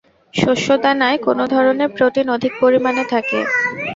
শস্য দানায় কোন ধরনের প্রোটিন অধিক পরিমাণে থাকে?